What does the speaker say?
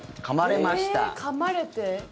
かまれて？